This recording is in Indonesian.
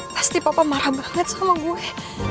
pasti papa marah banget sama gue